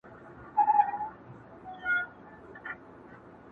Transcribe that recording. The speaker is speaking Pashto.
کيسه تماشه نه حل ښيي ښکاره.